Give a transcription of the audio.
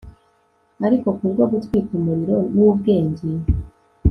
ariko kubwo gutwika umuriro wubwenge